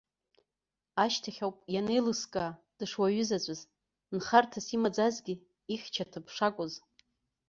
Ашьҭахь ауп ианеилыскаа дышуаҩызаҵәыз, нхарҭас имаӡазгьы ихьча-ҭыԥ шакәыз.